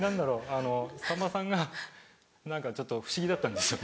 あのさんまさんが何かちょっと不思議だったんですよ。